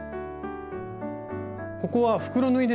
ここは袋縫いですね。